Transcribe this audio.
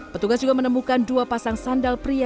petugas juga menemukan dua pasang sandal pria